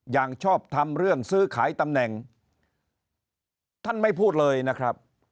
อย่างชอบทำเรื่องซื้อขายตำแหน่งท่านไม่พูดเลยนะครับ